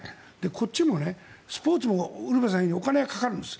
こっちも、スポーツもウルヴェさんが言うようにお金がかかるんです。